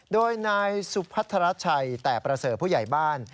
โดยนายสุพัทรชัยแต่ประเสริฐผู้ใหญ่บ้าน